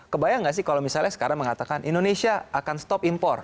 kebayang nggak sih kalau misalnya sekarang mengatakan indonesia akan stop impor